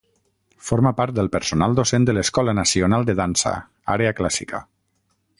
Forma part del personal docent de l’Escola Nacional de Dansa, àrea clàssica.